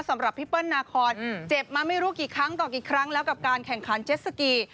สำหรับพี่เปิ้ลนาคอนเจ็บมาไม่รู้กี่ครั้งต่อกี่ครั้งแล้วกับการแข่งขันเจ็ดสกี